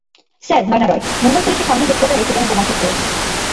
Sir Nayana Roy, Mumbai পুলিশের সামনের হেডকোয়ার্টারে কে যেনো বোমা ফিট করেছে।